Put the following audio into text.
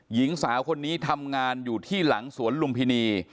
หญิงสาวคนนี้ทำงานอยู่ที่หลังสวนลุมพินี